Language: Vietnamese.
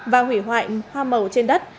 và hủy hoại hoa màu trên đất